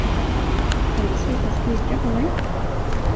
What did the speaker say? Kan du sluta skrika på mig?